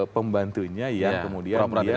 pembantunya yang kemudian